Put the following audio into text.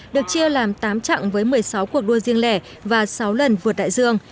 được chia làm tám chặng với một mươi sáu cuộc đua riêng lẻ và sáu lần vượt đại dương